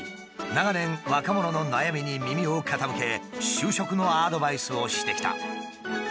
長年若者の悩みに耳を傾け就職のアドバイスをしてきた。